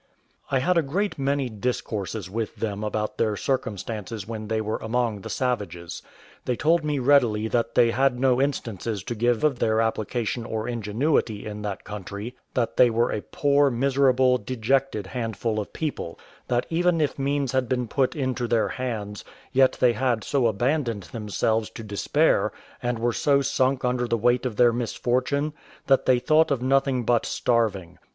I had a great many discourses with them about their circumstances when they were among the savages. They told me readily that they had no instances to give of their application or ingenuity in that country; that they were a poor, miserable, dejected handful of people; that even if means had been put into their hands, yet they had so abandoned themselves to despair, and were so sunk under the weight of their misfortune, that they thought of nothing but starving.